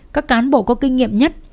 các cán bộ có kinh nghiệm nhất